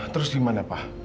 terus gimana pak